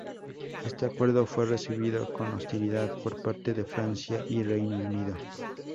Este acuerdo fue recibido con hostilidad por parte de Francia y Reino Unido.